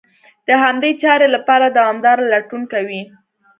د همدې چارې لپاره دوامداره لټون کوي.